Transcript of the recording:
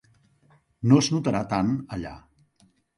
No es notarà tant allà.